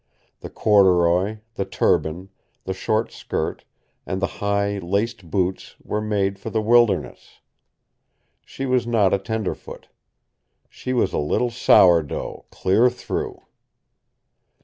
The corduroy, the turban, the short skirt, and the high, laced boots were made for the wilderness. She was not a tenderfoot. She was a little sourdough clear through!